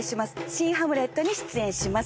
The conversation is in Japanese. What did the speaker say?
「新ハムレット」に出演します